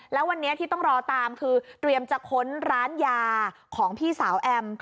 แล้ววันนี้ที่ต้องรอตามคือเตรียมจะค้นร้านยาของพี่สาวแอม